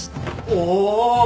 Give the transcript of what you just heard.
おお！